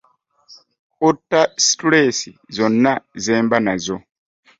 Otta situlesi zona ze mba nazo.